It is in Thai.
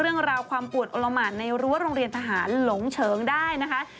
เรื่องราวความปวดโอละหมานในรั้วโรงเรียนทหารหลงเฉิงได้นะคะ